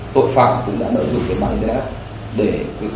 tội phạm cũng đã nợ dụng cái mạng internet